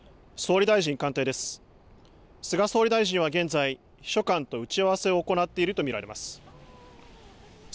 菅総理大臣は現在、秘書官と打ち合わせを行っていると見られます。